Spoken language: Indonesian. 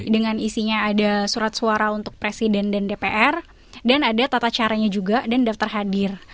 dengan isinya ada surat suara untuk presiden dan dpr dan ada tata caranya juga dan daftar hadir